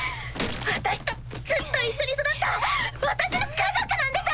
私とずっと一緒に育った私の家族なんです！